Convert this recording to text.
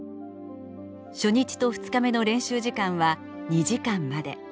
初日と２日目の練習時間は２時間まで。